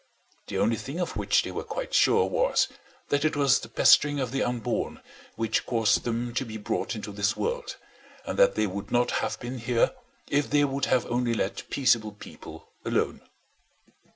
The only thing of which they were quite sure was that it was the pestering of the unborn which caused them to be brought into this world, and that they would not have been here if they would have only let peaceable people alone.